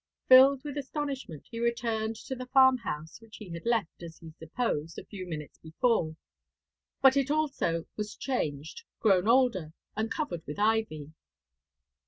Filled with astonishment he returned to the farm house which he had left, as he supposed, a few minutes before; but it also was changed, grown older, and covered with ivy.